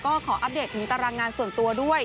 ก็ขออัปเดตถึงตารางงานส่วนตัวด้วย